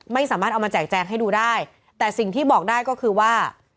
ไม่สามารถเอามาแจกแจงให้ดูได้แต่สิ่งที่บอกได้ก็คือว่า